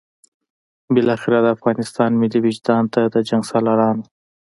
بالاخره د افغانستان ملي وجدان ته د جنګسالارانو.